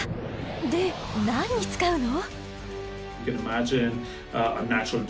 で何に使うの？